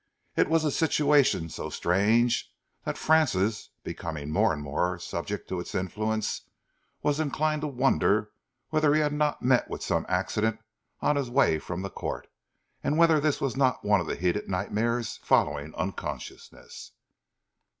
It was a situation so strange that Francis, becoming more and more subject to its influence, was inclined to wonder whether he had not met with some accident on his way from the Court, and whether this was not one of the heated nightmares following unconsciousness.